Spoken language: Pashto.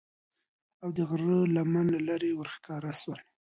او د غره لمن له لیری ورښکاره سول